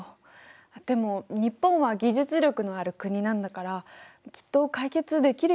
でも日本は技術力のある国なんだからきっと解決できるよね？